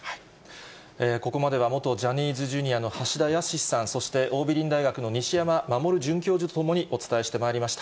ここまでは元ジャニーズＪｒ．の橋田康さん、そして桜美林大学の西山守准教授と共にお伝えしてまいりました。